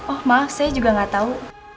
oh maaf saya juga gak tahu